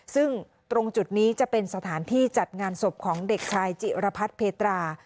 ซึ่งตรงจุดนี้จะเป็นสถานที่จัดงานศพของเด็กชายจิรพัฒน์เพตรา